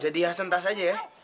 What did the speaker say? jadi ya sentas aja ya